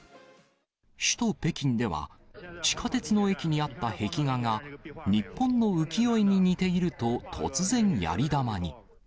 首都北京では、地下鉄の駅にあった壁画が、日本の浮世絵に似ていると、突然、やり玉に。